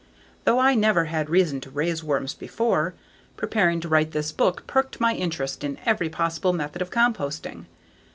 Though I never had reason to raise worms before, preparing to write this book perked my interest in every possible method of composting.